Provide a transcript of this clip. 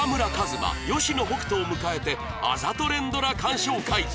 馬吉野北人を迎えてあざと連ドラ鑑賞会